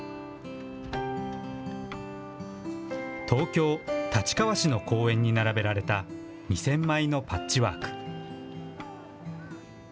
東京・立川市の公園に並べられた２０００枚のパッチワーク。